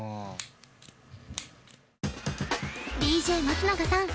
ＤＪ松永さん